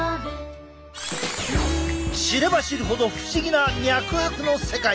知れば知るほど不思議な脈拍の世界！